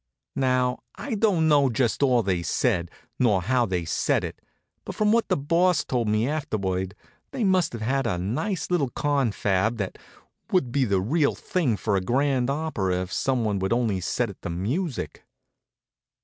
Now, I don't know just all they said, nor how they said it, but from what the Boss told me afterward they must have had a nice little confab there that would be the real thing for grand opera if some one would only set it to music.